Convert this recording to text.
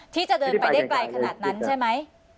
ที่จะเดินไปได้ไกลขนาดนั้นใช่ไหม